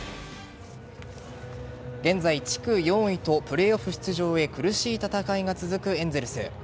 現在、地区４位とプレーオフ出場へ苦しい戦いが続くエンゼルス。